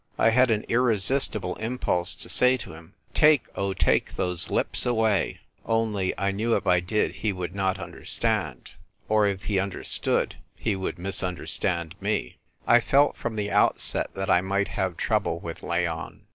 I had an irresistible im pulse to say to him, "Take, oh take those lips away !" only, I knew if I did he would not understand ; or if he understood he would misunderstand me. I felt from the outset thai I might have trouble with Leon.